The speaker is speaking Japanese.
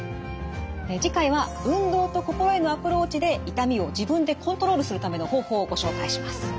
次回は運動と心へのアプローチで痛みを自分でコントロールするための方法をご紹介します。